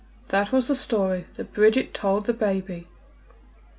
That was the story that Bridget told the baby.